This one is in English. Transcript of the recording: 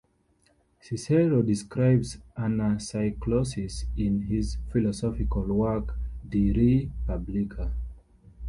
Cicero describes anacyclosis in his philosophical work De re publica.